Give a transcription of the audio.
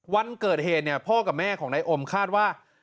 วันเกิดเหตุเนี่ยพ่อกับแม่ของนายอมคาดว่า